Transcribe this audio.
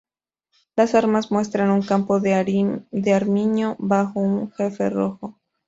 Las armas muestran un campo de armiño bajo un jefe rojo.